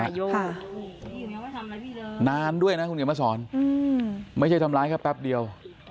พี่ยังไม่ทำอะไรพี่เลยนานด้วยนะคุณเกมสอนอืมไม่ใช่ทำร้ายแค่แป๊บเดียว